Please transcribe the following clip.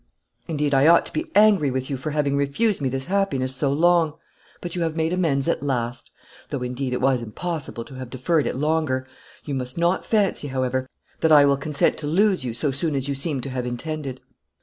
Indeed I ought to be angry with you for having refused me this happiness so long; but you have made amends at last; though, indeed, it was impossible to have deferred it longer. You must not fancy, however, that I will consent to lose you so soon as you seem to have intended.